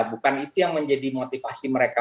bukan itu yang menjadi motivasi mereka